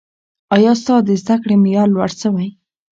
ایا ستا د زده کړې معیار لوړ سوی؟